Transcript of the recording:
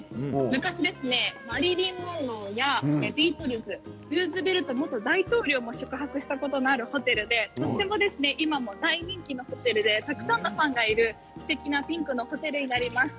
昔、マリリン・モンローやビートルズ、ルーズベルト元大統領も宿泊したことのあるホテルでとても今も大人気のホテルで、たくさんのファンがいるすてきなピンクのホテルになります。